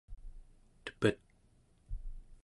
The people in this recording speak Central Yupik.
tepet